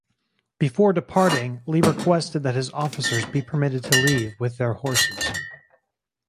Before departing Lee requested that his officers be permitted to leave with their horses.